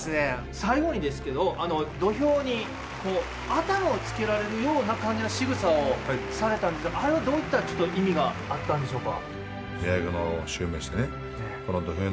最後にですけど土俵に頭をつけられるような感じのしぐさをされたんですけどあれはどういった意味があったんでしょうか？